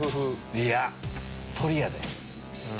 いや鶏やで。